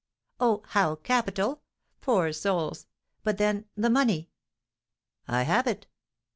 "Oh, how capital! Poor souls! But, then, the money?" "I have it."